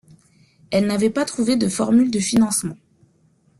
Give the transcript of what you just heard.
Elle n'avait pas trouvé de formule de financement.